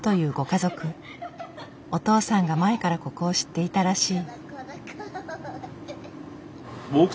お父さんが前からここを知っていたらしい。